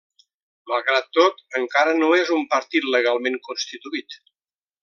Malgrat tot, encara no és un partit legalment constituït.